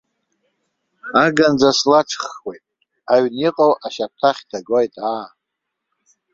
Аганӡа слаҿххуеит, аҩн иҟоу ашьаптахь дагоит, аа.